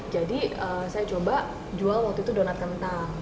jadi saya coba jual waktu itu donut kentang